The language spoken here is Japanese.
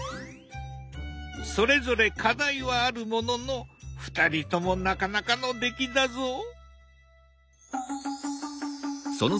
それぞれ課題はあるものの２人ともなかなかの出来だぞ。